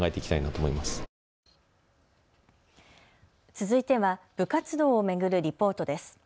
続いては部活動を巡るリポートです。